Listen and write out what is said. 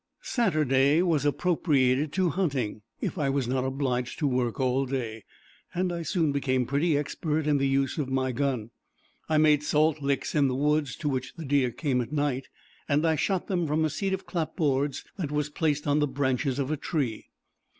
Saturday was appropriated to hunting, if I was not obliged to work all day, and I soon became pretty expert in the use of my gun. I made salt licks in the woods, to which the deer came at night, and I shot them from a seat of clapboards that was placed on the branches of a tree.